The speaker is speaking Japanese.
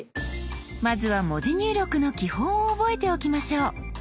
まずは文字入力の基本を覚えておきましょう。